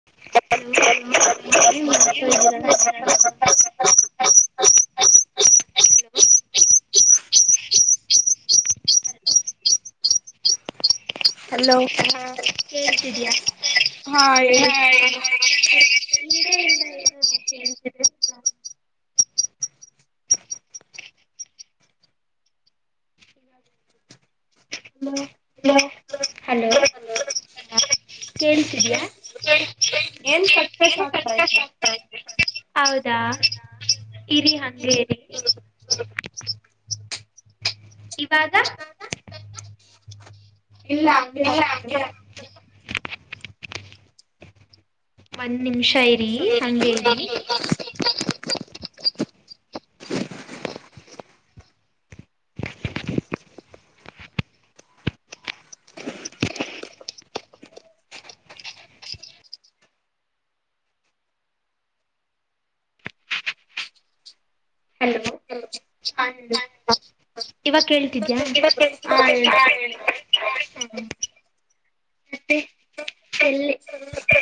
[unintelligible] Hello ಕೇಳಿಸ್ತಿದಿಯ. ಹಾ ಹೇಳಿ. ಹಲೋ ಕೇಳಿಸ್ತಿದಿಯ ಕೇಳಿಸ್ತಿದಿಯಾ ಏನ್ ಕಖರ್ಕ ಶ ಆಗ್ತ ಐತೆ ಹೌದಾ ಇರಿ ಹಂಗೇ ಇರಿ ಇವಾಗ ಇಲ್ಲ ಹಂಗೆ [unintelligible] ಒಂದ್ ನಿಮಿಷ ಇರಿ ಹಂಗೆ ಇರಿ ಹಲೋ ಹಾದು [inaudible] ಇವಗ್ ಕೇಳ್ತಿದ್ಯಾ [inaudible] ಮತ್ತೆ ಎಲ್ಲಿ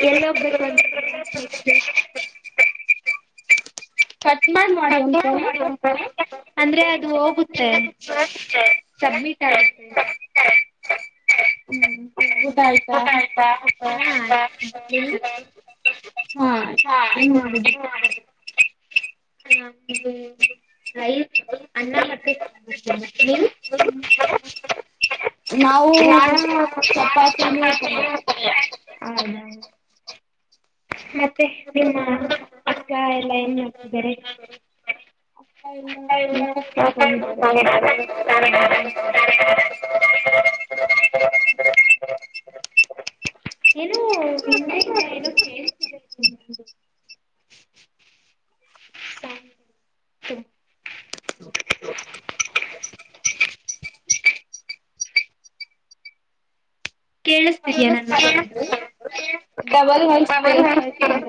ಎಲ್ಲಿ ಹೋಗ್ಬೇಕು ಅ [inaudible] ಮಾಡಿ ಒಂತ [unintelligible] ಸರಿ [inaudible] ಅಂದ್ರೆ ಅದು ಹೋಗುತ್ತೆ ಸಬ್ಮಿಟ್ ಆಗುತ್ತೆ [inaudible] ಹ್ಮ್ ಊಟ ಆಯ್ತಾ [inaudible] ಹ ನಿ ಹ [inaudible] ಎನ್ ಮಾಡದ್ ಹದು [inaudible] ನದು [inaudible] ರೈ ಅನ್ನ ಮತ್ತೆ ಸಾಂಬ [inaudible] ನೀವು ನಾನು ನಾನು [inaudible] ಹೌದ ಮತ್ತೆ ನಿಮ್ಮ ಅಕ್ಕ ಎಲ್ಲಾ ಏನ್ ಮಾಡ್ತಿದಾರೆ [inaudible] ಲ್ಲ ಹೋಗಿದ್ದಾರೆ ಚ ಚ [inaudible] ಏನು ನಿನ್ನ ಏನು [inaudible] ಕೇಳ್ತ [inaudible] [inaudible] [inaudible] ಕೇಳಿಸತಿದಯಾ ನನ್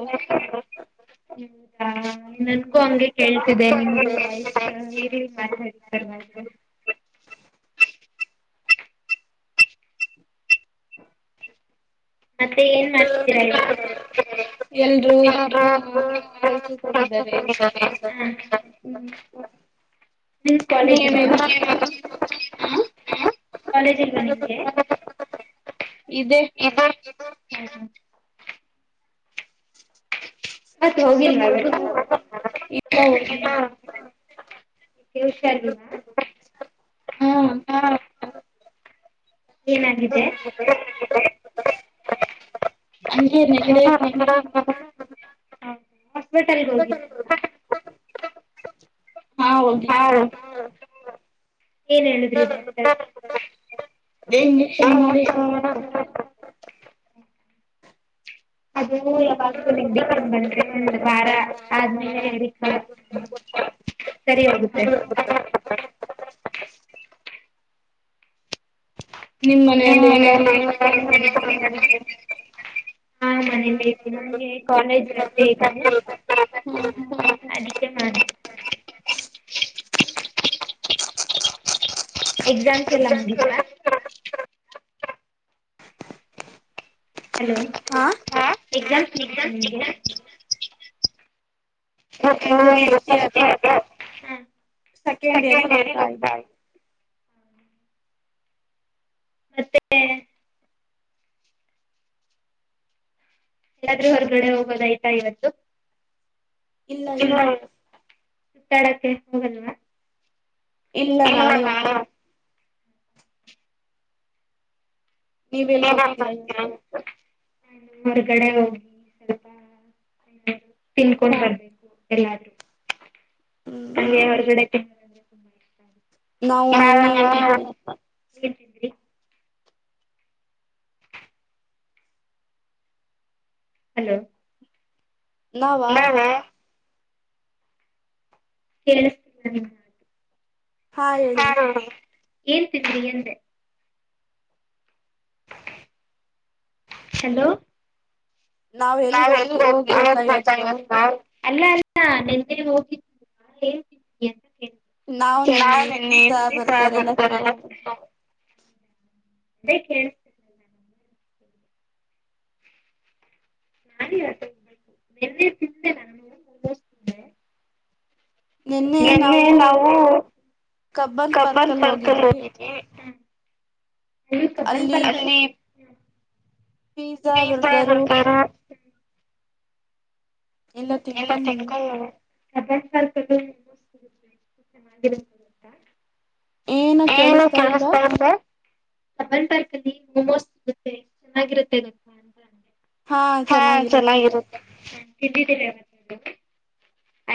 [inaudible] [inaudible] ಹ ನನ್ಗೂ ಹಂಗೆ ಕೇಳ್ತಿದೆ [inaudible] ಮತ್ತೆ ಏನ್ ಮಾಡ್ತಿದ್ದೀರ [inaudible] ಇ ಹೋಗ [inaudible] [inaudible] ನಿನ್ ಕಾಲೇಜ್ ಇಲ್ವ ಕಾಲೇಜ್ ಇಲ್ವಾ ನಿಂಗೆ ಇದೆ ಇದೆ ಮತ್ ಹೋಗಿಲ್ವ ಇವತ್ತು ಹುಷಾರ [inaudible] ಹಾ ಏನಾಗಿದೆ [inaudible] ನಂಗೆ ನಗಡಿ ಕೆಮ್ಮು [inaudible] ಹೌ ಹಾಸ್ಪಿಟಲ್ಗೆ ಹೋಗಿ ಹಾ ಏನ್ ಹೇಳಿದ್ರಿ ಡಾಕ್ಟರ್ ಬೇನ್ಕ್ಷನ್ [inaudible] ಮಾಡಿ ಅದು ಯಾವಾಗ್ಲೂ ನಿ [inaudible] ಕ್ ಬಂದ್ರಿ ಒ ಬಾರ ಆದ್ಮೇಲೆ [inaudible] ಸರಿ ಆಾಗುತ್ತೆ [inaudible] ನಿಮ್ ಮನೆಯಲ್ಲಿಲ್ಲ [unintelligible] ಹಾ ಮನೆಯಲ್ಲಿ ನಗೆ ಕಾಲೇಜ್ತೆ [unintelligible] ಸ ಅದಿಕ ಮಾಡನೆ [inaudible] ಎಕ್ಸಾಮ್ಸ್ ಎಲ್ಲ ಮುಗಿತಾ ಹಲೋ, ಹಾ ಎಕ್ಸಾಮ್ಸ [unintelligible] ಮ ಇ ಫಸ್ಟ್ ಇಯರ್ ಸೆಕೆಂಡ್ ಇಯರ್ಲ್ಲಿ ಹೋಗ್ತಾ [unintelligible] [inaudible] ಮತ್ತೆ [inaudible] ಎಲ್ಲಾದ್ರೂ ಹೊರಗಡೆ ಹೋಗೋದ ಐಯ್ತಾ ಇವತ್ತು. ಇಲ್ಲ ಸುತ್ತಾಡಕ್ಕೆ ಹೋಗಲ್ವಾ ಇಲ್ಲ ನಾಳೆ ಹೋಗ ನೀವ ಎಲ್ಗೆ ಹೋಗ್ತೀರಾ ನ ಹೊರಗಡೆ ಹೋಗಿ ಸ್ವಲ್ಪ [inaudible] ತಿನ್ಕೊಂಡ್ ಬರ್ಬೇಕು ಎಲ್ಲಾದ್ರೂ ಅಲ್ಲಿ ಹೊಗಡೆುಂಬ ಇ [unintelligible] ಹೇಳ್ತಿದ್ದಿ ರೀ [inaudible] ಹಲೋ, ನಾವಾ ಕೇಳಿಸತೀ [unintelligible] ಹಾ ಏನ್ ತಿಂದ್ರಿ ಅಂದೆ ಹಲೋ, ನಾವ್ ಎಲ್ಲಿೋಗ [unintelligible] ಹೋಗಬೇಕ ಇವತ್ತು ಹಾ ನೆೆನ್ನೆ ಹೋಗಿದ್ದ ಹೇಳ್ ಅಂತ ಕೇಿ [unintelligible] ನಾ ನನ್ನೆ ದಸ ಬರ್ತಾರಲ್ಲ [unintelligible] ಬ ಕೇಳ [inaudible] ಅ ನಿೆ [unintelligible] [inaudible] ಚಿಂತೆೆ ನ [inaudible] ನೆನ್ನೆ ನಾವು ಕಬ್ಬನ್ ಪಾರ್ಕ್ ಕಲ್ಲಿಹೋಗಿದ್ದ್ವಿ ಕಬ [unintelligible] ಮತ್ತ ಅ್ಯ ಚನ್ನ [unintelligible] ಏನು ಕೇಳಿಸ್ತಾ ಇಲ್ಲಾ ಕಬ್ಬನ್ ಪಾರ್ಕನ ಮೊಮೋಸ್ ಸಿಗುತ್ತೆ. ಚೆನ್ನಾಗಿರುತ್ತೆ ಅದು ಹಾ, ಚೆನ್ನಾಗಿರುತ್ತೆ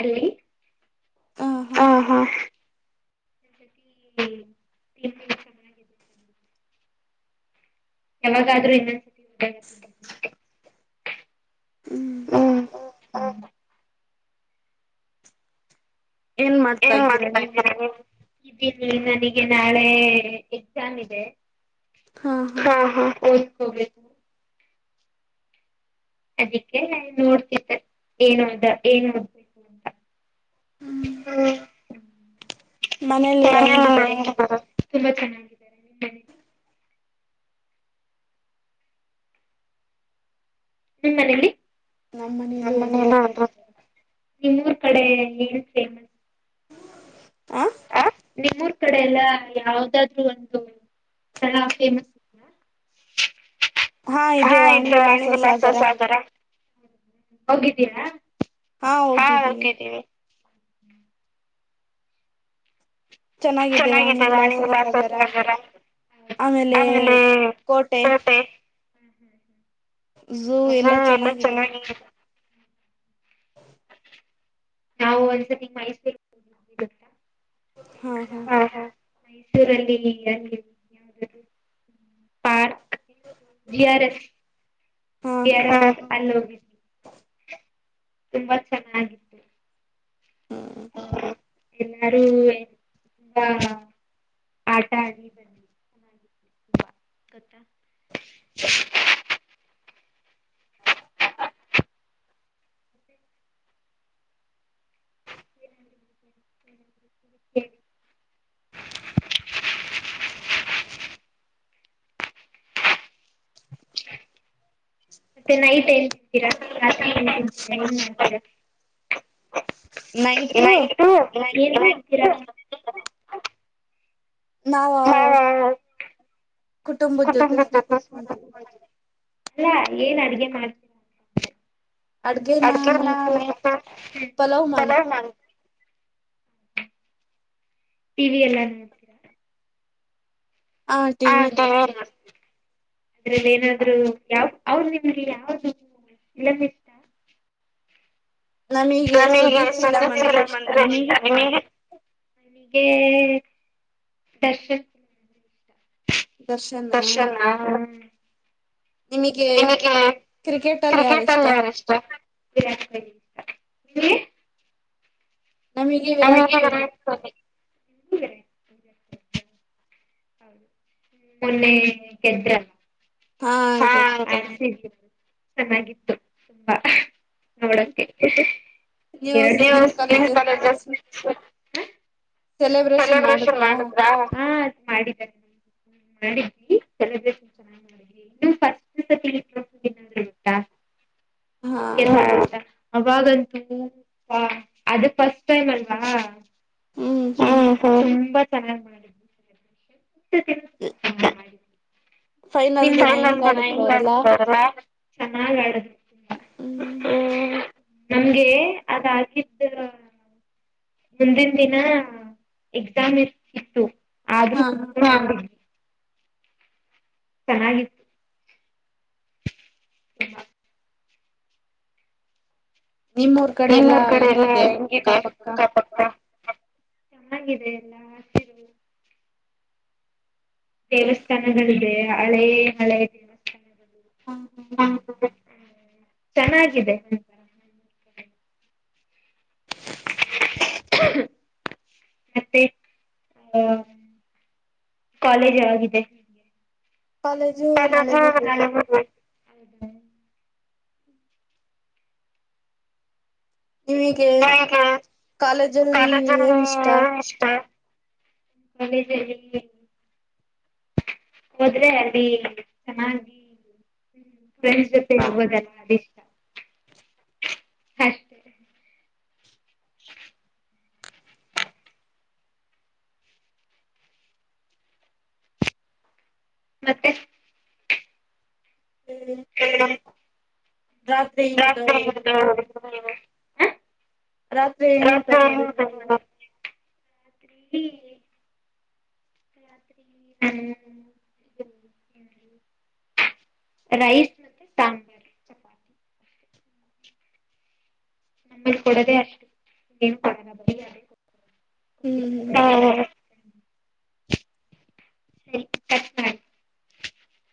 ಅಲ್ಲಿ ಹ ಹಾ [inaudible] [inaudible] ಯವಗಲಾದ್ರೂನು ಹ [inaudible] ಹ್ಮ್ ಹ [unintelligible] ಎನ್ ಮಾಡ್ತಾ ಇದಿರಿ, ನನಗೆ ನಾಳೆ ಎಕ್ಸಾಮ ಇದೆ. ಹಾ, ಹಾ ೋಗೋಗ [unintelligible] ಅದಕ್ಕೆ ನನ್ ನೋಡ್ತಿದ್ದ ಏನದ [unintelligible] ಏನ್ ಓದ್ಬೇಕು ಅಂತ ಹಾ [inaudible] ಚ ತುಂಬಾ ಚೆನ್ನ [unintelligible] ನಿಮ್ಮ್ ಮನೇಲಿ, ನಮ್ ಮನೆಯಲ್ಲಿ [unintelligible] ನಿಮ್ಮೂರ್ ಕಡೆ ಏ ಫೇ ಆಹಾ.. ಆಹಾ ನಿಮ್ಮೂರ್ ಕಡೆ ಎಲ್ಲ ಯಾವ್ದಾದ್ರರು ಒಂದು [inaudible] ಸಲ ಫೇಮಸ್ ಹಾ ಇದ್ದ ಅಣಿವಲ್ಲಾಸ ಸಾಗರ.. ಹೋಗಿದ್ದೀಯಾ. ಹಾ ಹೋಗಿದ್ದೀವಿ. ಚೆನ್ನಾಗಿದೆ ವಾಣಿ ವಿಲಾಸ ಸಾಗರ [inaudible] ಆಮೇಲೆ ಕೋಟೆ. ಹ್ಮ ಅಮ್ಮ ಚೆನ್ನಾಗಿಲ್ಲ ನಾವು ಒಂದ್ಸತಿಹ ಪೈಸಡೇ [inaudible] ಹಾ ಹಾ.. ಮೈಸೂರಲ್ಲಿ ಎಲ್ಲಿ ಗಿಂತ ಪಾರ್ಕ್ ಜಿಆರ್ ಎಸ್ ಕೇರಳ್ ಅಲ್ಲಿ ಹೋಗಿದ್ದವಿ ತುಂಬಾ ಚೆನ್ನಾಗಿದೆ. ಹಾ ಎಲ್ಲಾರುವೆ ತುಂಬಾ ಆಟ ಆಡಿದೀವಿ. [inaudible] [unintelligible] ಮತ್ತೆ ನೈಟ್ ಏನ್ ತಿಂತೀರಾ ರಾತ್ರಿ ಏನ್ ತಿಂತೀರಾ ಏನ್ ಮಾಡ್ತೀರಾ [inaudible] ನೈಟು ನೈ ಏನ್ ಮಾಡ್ತೀರ ನಾವ... [inaudible] ಕುಟುಂಬದ ಜೊತೆ ಸುಮ್ಮ ಕುತ್ಕೊಂತೀವಿ. ಅಲ್ಲ ಏನ್ ಅಡಗೆ ಮಾಡ್ತೀನ ಅಡಕ್ಕೆನ್ನ [unintelligible] ತಲೆ ಟಿವಿ ಇಲ್ಲ ಹಾ ತಗೋರೋನಾ ಅದ್ರಲ್ಲಿ ಏನಾದ್ರು ಯಾವ ಅವ್ರ ನಿಮಗೆ ಯಾವ್ದ [inaudible] ಇಲ್ಲಾ ನಿಮ್ಮ ನಮಗೆ ಸ್ವಂತತೆರಾಮ ಅಂದ್ರೆ ಇಷ್ಟ ನಿಮಗೆ. ನಮಗೆ [inaudible] ದರ್ಶನ ದರ್ಶನ್ನಾ.... ನಿಮಗೆ ಕ್ರಿಕೆಟ್ ಅಲ್ಲಿ ಯಾರ ಇಷ್ಟಾ [unintelligible] ನಮಗೆ ವಿರಾಟ್ ಕೊಹ್ಲಿ ಸರಿ [inaudible] ಮೊನ್ನೆ ಹೆಂಗದ್ರ್ ಹಾ ರಿ ಚೆನ್ನಾಗಿತ್ತು ತುಂಬಾ... ನೋಡಕ್ಕೆ [unintelligible] ಎರಡನೇ ಸಿಕ್ನ ಕಾಲೇಜ್ ಸೆಲೆಬ್ರೇಷನ್ ಮಾಡುದ್ರಾ ಹ ಮಾಡಿದ್ದೇ ಮಾಡಿದ್ವಿ ಸೆಲೆಬ್ರೇರಷನ್ ಫಸ್ಟ್ [unintelligible] ಇಲ್ಲಾ ಅಂತಾ ಅವಾಗಂತೂ ಅಪ್ಪಾ ಅದು ಫಸ್ಟ್ ಟೈಮ್ ಅಲ್ವಾ? ಹ್ಮ ಹ್ಮ್ಮ್ ತುಂಬಾ ಚೆನ್ನಾಗ [inaudible] [inaudible] ನಿ ಹೆಂಗ ಹೆಂಗಾತರ ಚನ್ನಾಗ ಹಾಡಿ ನಮ್ಗೆ ಅದ ಆಗಿದ್ದ ಮುಂದಿನ ದಿನ ಎಕ್ಸಾಮ್ ಇತ್ತು ಆದ್ರೂ [unintelligible] ಚೆನ್ನಾಗಿತ್ತು. ಹ [inaudible] ನಿಮ್ಮ್ೂ [unintelligible] ನಿಮ್ಮೂರ್ ಕಡೆ ಎಲ್ಲಾ ಹೆಂಗಿದೆ ಅಕ್ಕಪಕ್ಕ ಚೆನ್ನಾಗಿದೆ ಎಲ್ಲ ಹಾ ಸರಿ [inaudible] ದೇವಸ್ಥಾನಗಳಿದೆ ಹಳೆಯ ಹಳೆಯ ದೇವಸ್ಥಾನಗಳು [unintelligible] ಚೆನ್ನಾಗಿದೆ. ಮತ್ತೆ ಆ [inaudible] ಕಾಲೇಜ್ ಯಾವಾಗಿದೆ. ಕಾಲೇಜು ನಾಳೆ ಹೋಗ್ಬೇಕು. ನಿಮಗೆ ಕಾಲೇಜಲ್ಲಿ ಏನ್ ಇಷ್ಟ ಅಷ್ಟ [inaudible] [inaudible] ಹೋದ್ರೆ ಅಲ್ಲಿ ಚೆನ್ನಾಗಿ [unintelligible] ಹ್ಮ್ ಪ್ರೆಂಡ್ಸ್ ಜೊತೆ ಇರ್ಬೋದಲ್ಲಾ, ಅ ಅಷ್ಟೇ [inaudible] [inaudible] ಮತ್ತೆ [inaudible] ಹ್ಮ ರಾತ್ರಿ ನು ತಗ ಹೊಡಿದ್ರಿ ನೀವು [unintelligible] ರಾತ್ರಿ ಏನ್ ಊಟ ಮಾಡಿದ್ರಿ ನೀವು ಹ್ಮ್ [unintelligible] ರೈಸ್, ತ [inaudible] ನಮ್ಮಲ್ಲಿ ಕೊಡದೆ ಅಷ್ಟೆ [inaudible]